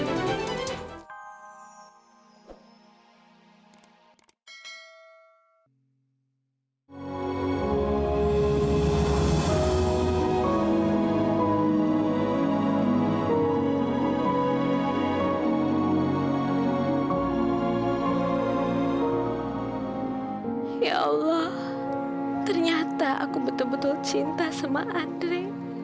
ya allah ternyata aku betul betul cinta sama ndre